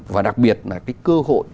và đặc biệt là cái cơ hội